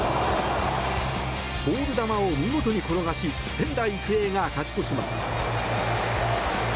ボール球を見事に転がし仙台育英が勝ち越します。